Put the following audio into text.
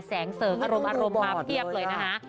แสงเสริมอารมณ์มาเทียบเลยนะคะ